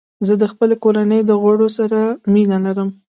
زه د خپلې کورنۍ د غړو سره مینه لرم.